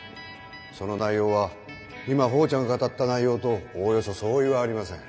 その内容は今ほーちゃんが語った内容とおおよそ相違はありません。